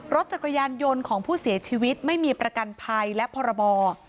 รถจักรยานยนต์ของผู้เสียชีวิตไม่มีประกันภัยและพรบ